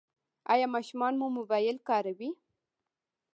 ایا ماشومان مو موبایل کاروي؟